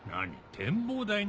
展望台に？